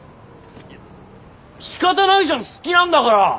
いやしかたないじゃん好きなんだから。